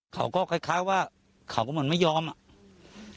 เขาก็คล้ายว่าเขาก็เหมือนไม่ยอมอ่ะ